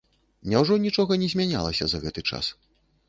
Няўжо нічога не змянялася за гэты час?